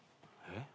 えっ？